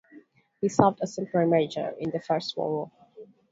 He served as temporary Major in the First World War.